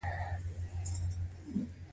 غیر ماهر کارګران په کارخانه کې ساده کار کوي